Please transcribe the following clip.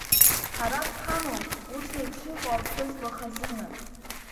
Ҳара дҳамоуп ус еиԥш иҟоу аԥҳәызба хазына!